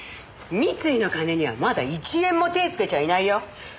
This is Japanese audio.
三井の金にはまだ１円も手つけちゃいないよ！